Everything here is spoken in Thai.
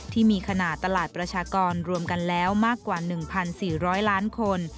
ที่มีขนาดตลาดประชากรรวมกันแล้วมากกว่า๑๔๐๐ล้านคน